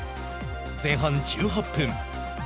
前半１８分。